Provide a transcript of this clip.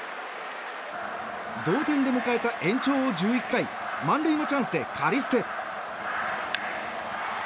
同点で迎えた延長１１回満塁のチャンスでカリステ。